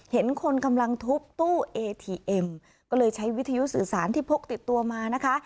เห็นคนกำลังทุบตู้เอทีเอ็มก็เลยใช้วิทยุสื่อสารที่พกติดตัวมานะคะ